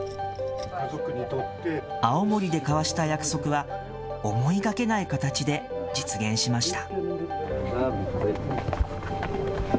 青森で交わした約束は、思いがけない形で実現しました。